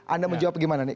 anda menjawab bagaimana nih